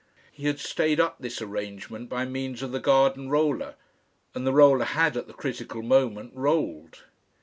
He had stayed up this arrangement by means of the garden roller, and the roller had at the critical moment rolled.